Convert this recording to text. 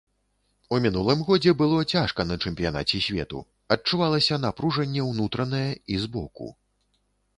У мінулым годзе было цяжка на чэмпіянаце свету, адчувалася напружанне ўнутранае і з боку.